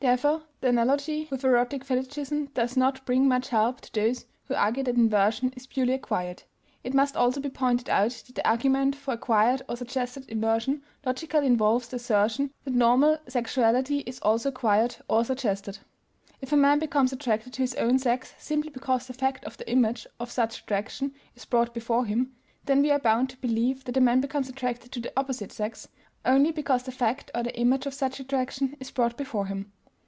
Therefore, the analogy with erotic fetichism does not bring much help to those who argue that inversion is purely acquired. It must also be pointed out that the argument for acquired or suggested inversion logically involves the assertion that normal sexuality is also acquired or suggested. If a man becomes attracted to his own sex simply because the fact or the image of such attraction is brought before him, then we are bound to believe that a man becomes attracted to the opposite sex only because the fact or the image of such attraction is brought before him.